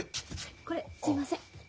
これすいません。